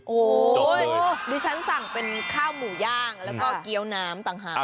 หรือฉันสั่งเป็นข้าวหมูย่างและเกี๊ยวน้ำต่างหาก